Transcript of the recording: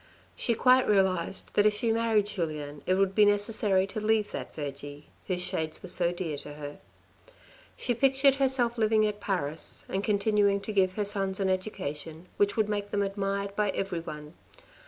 She quite realised that if she married Julien, it would be necessary to leave that Vergy, whose shades were so dear to her. She pictured herself living at Paris, and continuing to give her sons an education which would make them admired by every one.